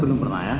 belum pernah ya